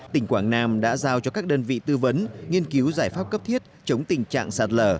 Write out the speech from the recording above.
tỉnh quảng nam đã giao cho các đơn vị tư vấn nghiên cứu giải pháp cấp thiết chống tình trạng sạt lở